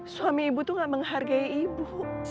suami ibu tuh gak menghargai ibu